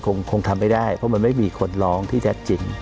คงทำไม่ได้เพราะมันไม่มีคนร้องที่แท้จริง